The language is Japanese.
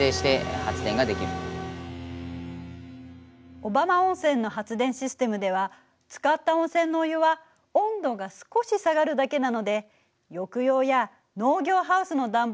小浜温泉の発電システムでは使った温泉のお湯は温度が少し下がるだけなので浴用や農業ハウスの暖房などに二次利用できるそうよ。